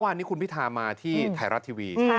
วันนี้คุณพิธามาที่ไทยรัฐทีวี